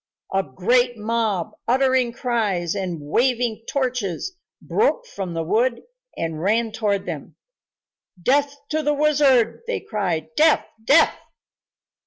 A great mob, uttering cries and waving torches, broke from the wood and ran toward them. "Death to the wizard!" they cried. "Death! Death!"